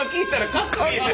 かっこいいです。